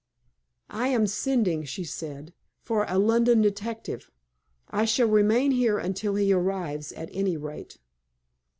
"I am sending," she said, "for a London detective. I shall remain here until he arrives, at any rate."